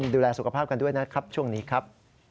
ดูแลสุขภาพกันด้วยนะครับช่วงนี้ครับ